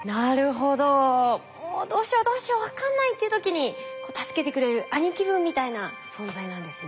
もうどうしようどうしよう分かんないっていう時に助けてくれる兄貴分みたいな存在なんですね。